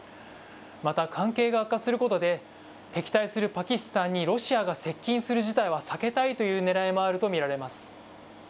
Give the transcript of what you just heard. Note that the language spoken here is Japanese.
また関係が悪化することで、敵対するパキスタンにロシアが接近する事態は避けたいというねらいもあると見られます。